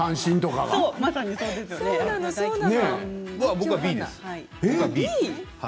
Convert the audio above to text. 僕はＢです。